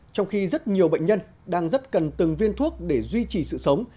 trong khi rất nhiều bệnh nhân đang rất cần từng viên thuốc để duy trì sự sống